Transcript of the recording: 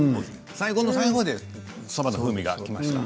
最後の最後でそばの風味がきました。